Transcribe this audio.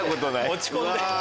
落ち込んで。